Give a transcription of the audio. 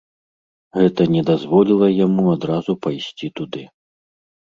Гэта не дазволіла яму адразу пайсці туды.